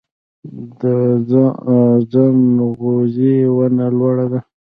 د ځنغوزي ونه لوړه ده